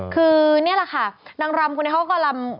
คือนี่แหละค่ะนางรำคนนี้เขาก็ลำ